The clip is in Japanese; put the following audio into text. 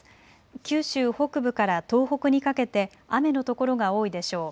九州北部から東北にかけて雨の所が多いでしょう。